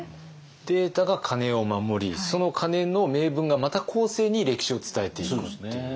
データが鐘を守りその鐘の銘文がまた後世に歴史を伝えていくっていう。